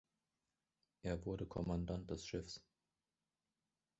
Er wurde Kommandant des Schiffs.